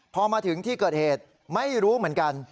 พอมาถึงที่เกิดเหตุไม่รู้เหมือนกัน